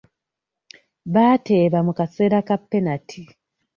Baateeba mu kaseera ka penati.